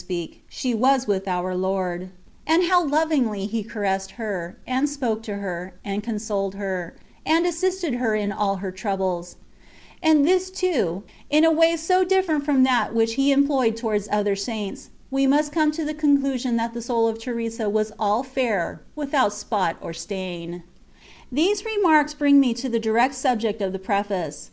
XI • speak), she was with our Lord, and how lovingly He caressed her, and spoke to her, and consoled her, and assisted her in all her troubles, and this, too, in a way so different from that which He employed towards other Saints, we must come to the conclusion that the soul of Teresa was " all fair, without spot or stain." These remarks bring me to the direct subject of the preface.